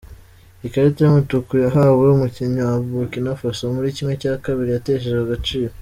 Ikarita y’umutuku yahawe umukinnnyi wa Burkina Faso muri kimwe cya kabiri yateshejwe agaciro